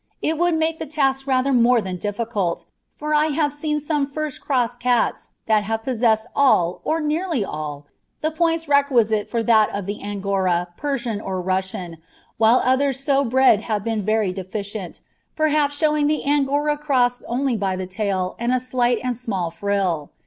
it would make the task rather more than difficult, for I have seen some "first cross cats" that have possessed all, or nearly all, the points requisite for that of the Angora, Persian, or Russian, while others so bred have been very deficient, perhaps showing the Angora cross only by the tail and a slight and small frill.